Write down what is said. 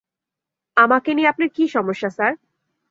আমাকে নিয়ে আপনার কী সমস্যা, স্যার?